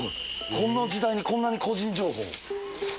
この時代にこんなに個人情報を。